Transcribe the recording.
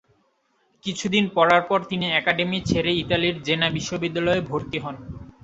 কিছুদিন পড়ার পর তিনি অ্যাকাডেমি ছেড়ে ইতালির জেনা বিশ্ববিদ্যালয়ে ভর্তি হন।